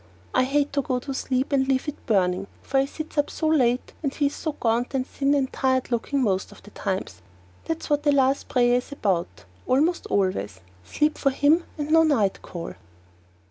I hate to go to sleep and leave it burning, for he sits up so late and he is so gaunt and thin and tired looking most times. That's what the last prayer is about, almost always sleep for him and no night call!